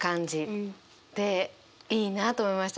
いいなと思いました。